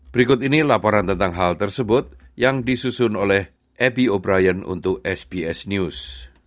berikut ini laporan tentang hal tersebut yang disusun oleh ap obrian untuk sbs news